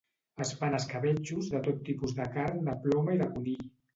Es fan escabetxos de tot tipus de carn de ploma i de conill